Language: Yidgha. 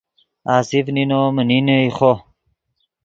آصف نینو من نینے ایخو